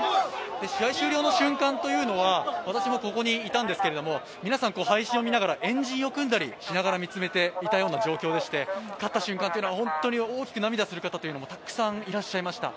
試合終了の瞬間というのは、私もここにいたんですが、皆さん配信を見ながら円陣を組んだりしながら見ていまして、勝った瞬間っていうのは本当に大きく涙する方がたくさんいらっしゃいました。